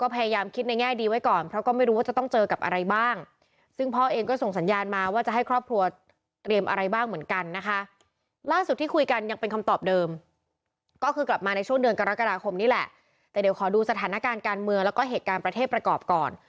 แต่เดี๋ยวขอดูสถานการณ์การเมืองแล้วก็เหตุการณ์ประเทศประกอบก่อน